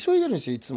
いつも。